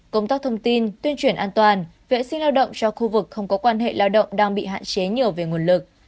công tác thông tin tuyên truyền an toàn vệ sinh lao động cho khu vực không có quan hệ lao động đang bị hạn chế nhiều về nguồn lực